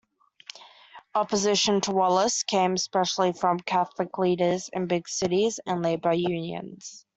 Opposition to Wallace came especially from Catholic leaders in big cities and labor unions.